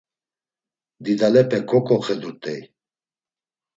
Didalepe ǩoǩoxedurt̆ey.